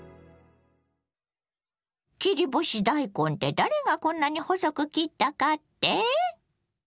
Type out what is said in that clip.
切り干し大根って誰がこんなに細く切ったかって？